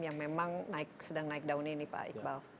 yang memang sedang naik daun ini pak iqbal